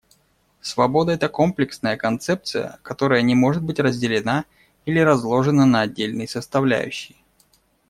Свобода — это комплексная концепция, которая не может быть разделена или разложена на отдельные составляющие.